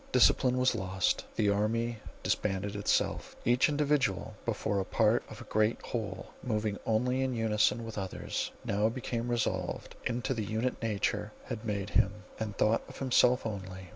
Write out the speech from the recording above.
Discipline was lost; the army disbanded itself. Each individual, before a part of a great whole moving only in unison with others, now became resolved into the unit nature had made him, and thought of himself only.